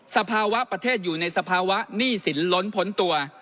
สภาวะประเทศอยู่ในสภาวะหนี้สินล้นพ้นตัว